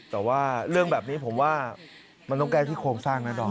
แต่ว่าเรื่องแบบนี้ผมว่ามันต้องแก้ที่โครงสร้างนะดอม